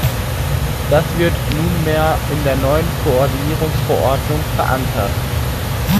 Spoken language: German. Das wird nunmehr in der neuen Koordinierungsverordnung verankert.